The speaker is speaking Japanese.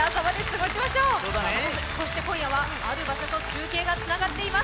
そして今夜は、ある場所と中継がつながっています